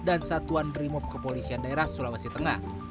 dan satuan rimob kepolisian daerah sulawesi tengah